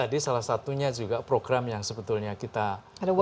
tadi salah satunya juga program yang sebetulnya kita lakukan